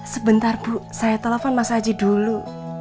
sebentar bu saya telepon mas aji dulu